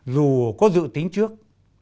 dù có dự tính trước